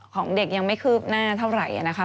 ของเด็กยังไม่คืบหน้าเท่าไหร่นะคะ